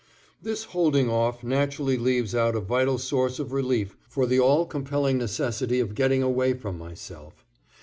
This holding off naturally leaves out a vital source of relief for the all compelling necessity of getting away from myself.